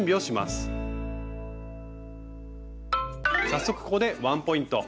早速ここでワンポイント。